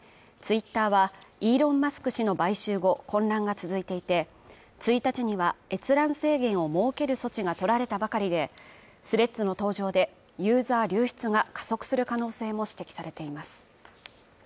ツイッターはイーロン・マスク氏の買収後、混乱が続いていて、１日には閲覧制限を設ける措置が取られたばかりで、スレッズの登場で、ユーザー流出が加速する可能性も指摘されています。